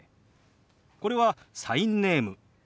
これはサインネーム。